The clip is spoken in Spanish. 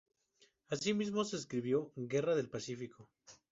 Asimismo, escribió: "Guerra del Pacífico.